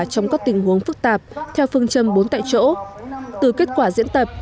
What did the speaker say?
trong các tình huống phức tạp theo phương châm bốn tại chỗ từ kết quả diễn tập